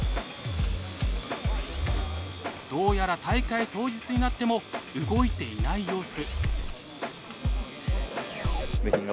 どうやら大会当日になっても動いていない様子。